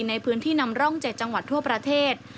ในพื้นที่นำร่อง๗จังหวัดทั่วประเทศ